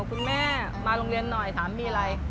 คุณแม่มาโรงเรียนหน่อยถามมีอะไร